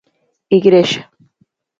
Igrexa.